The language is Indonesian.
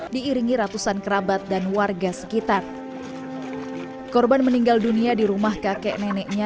diiringi ratusan kerabat dan warga sekitar korban meninggal dunia di rumah kakek neneknya